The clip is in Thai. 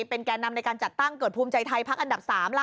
เป็นแก่นำในการจัดตั้งเกิดภูมิใจไทยพักอันดับ๓ล่ะ